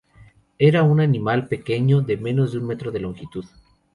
Era un animal pequeño, de menos de un metro de longitud.